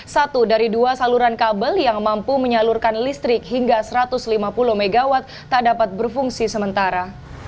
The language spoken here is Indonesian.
satu dari dua saluran kabel yang mampu menyalurkan listrik hingga satu ratus lima puluh mw tak dapat berfungsi sementara